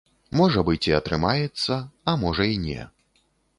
Можа быць, і атрымаецца, а можа і не.